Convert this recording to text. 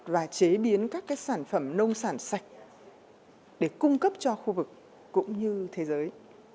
và chế biến các sản phẩm nông sản sạch để cung cấp cho khu vực cũng như thế giới